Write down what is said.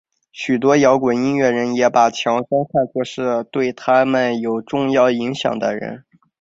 许多摇滚音乐人也把强生看作是对他们有重要影响的人。